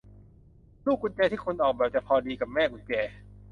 ลูกกุญแจที่คุณออกแบบจะพอดีกับแม่กุญแจ